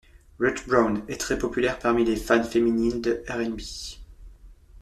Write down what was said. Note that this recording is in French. Ruth Brown est très populaire parmi les fans féminines de R&B.